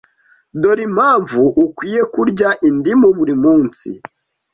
Dore impamvu ukwiye kurya indimu buri munsi